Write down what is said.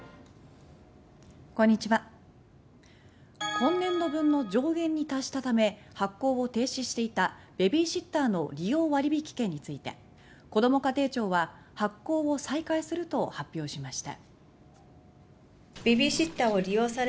今年度分の上限に達したため発行を停止していたベビーシッターの利用割引券についてこども家庭庁は発行を再開すると発表しました。